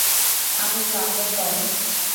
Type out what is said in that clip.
আমি ক্লান্ত, স্যার।